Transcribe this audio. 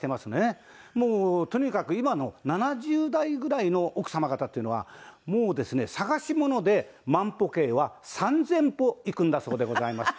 もうとにかく今の７０代ぐらいの奥様方っていうのはもうですね捜し物で万歩計は３０００歩いくんだそうでございます。